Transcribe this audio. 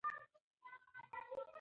کیسه په ډېره سوزناکه توګه پای ته رسېږي.